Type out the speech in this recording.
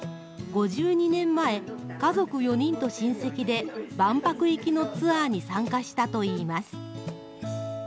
５２年前、家族４人と親戚で、万博行きのツアーに参加したといいます。